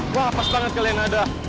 wah pas banget kalian ada